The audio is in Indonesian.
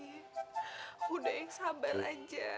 udah aki udah ya sabar aja